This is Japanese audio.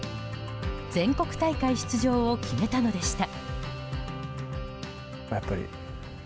全国大会出場を決めたのでした。